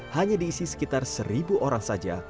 hanya diisi sekitar seribu orang saja